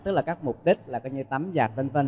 tức là các mục đích là tấm giạc vân vân